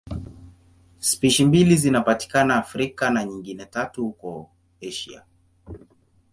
Spishi mbili zinapatikana Afrika na nyingine tatu huko Asia.